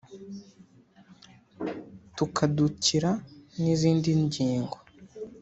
tukadukira n’izindi ngingo